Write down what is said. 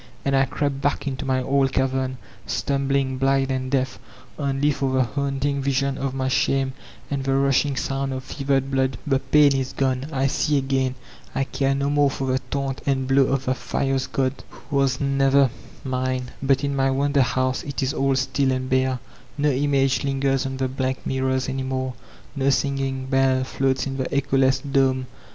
— ^And I crept back into my old cavern, stumbling, blind and deaf, only for the haunting vision of my shame and the rushing sound of fevered bkKKL The pain is gone. I see again; I care no more for tbe taunt and blow of that fierce god who was never 436 VOLTAIRINfi DB CtBYBB mine. But in my wonder hotise it is all still and bue; no image lingers on the blank mirrors any more. No singing bell floats in the echokss dome.